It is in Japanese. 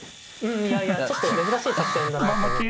いやいやちょっと珍しい作戦だなと思ったんで。